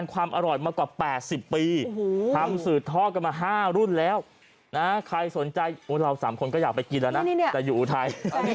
ใครสนใจเราสามคนก็อยากไปกินแล้วนะแต่อยู่อูทัย